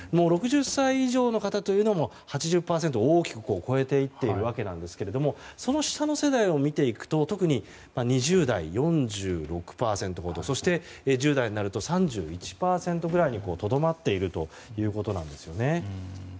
６０歳以上の方というのは８０％を大きく超えていっているわけなんですけどもその下の世代を見ていくと特に２０代、４６％ほどそして１０代になると３１％ぐらいにとどまっているということなんですね。